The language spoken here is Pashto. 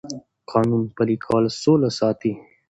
د قانون پلي کول سوله ساتي